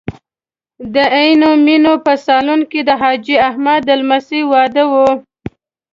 د عینومېنې په سالون کې د حاجي احمد د لمسۍ واده و.